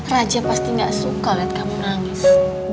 raja pasti gak suka lihat kamu nangis